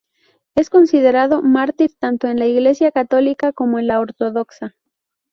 Es considerado mártir tanto en la Iglesia católica como en la ortodoxa.